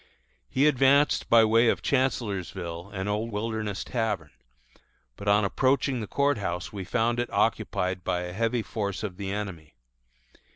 He advanced by way of Chancellorsville and old Wilderness Tavern; but on approaching the Court House we found it occupied by a heavy force of the enemy.